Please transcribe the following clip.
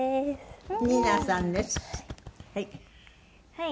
はい。